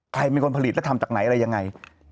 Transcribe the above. ใครเป็นคนผลิตแล้วทำจากไหนอะไรยังไง